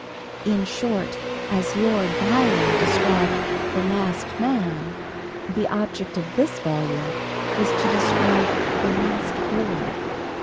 In short, as Lord Byron described "the last man," the object of this volume is, to describe "the last boy."